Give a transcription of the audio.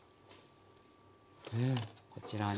こちらに。